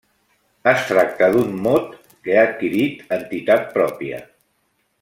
Es tracta d’un mot que ha adquirit entitat pròpia.